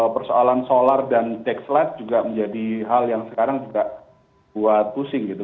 persoalan solar dan taxlight juga menjadi hal yang sekarang juga buat pusing gitu